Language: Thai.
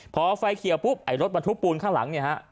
พอไฟเขียวปุ๊บไอ้รถบรรทุกปูนข้างหลังเนี่ยฮะ